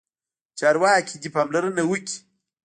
چارواکي دې پاملرنه وکړي.